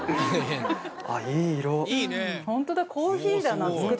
本当だコーヒーだな。